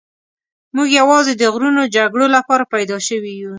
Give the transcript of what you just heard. موږ یوازې د غرونو جګړو لپاره پیدا شوي یو.